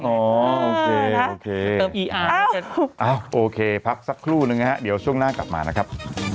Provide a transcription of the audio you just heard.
อ๋อโอเคโอเคโอเคพักสักครู่หนึ่งนะครับเดี๋ยวช่วงหน้ากลับมานะครับ